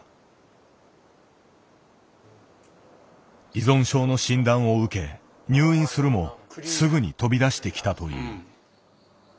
依存症の診断を受け入院するもすぐに飛び出してきたという。